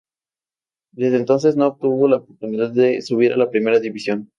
Desde entonces no obtuvo la oportunidad de subir a la Primera División.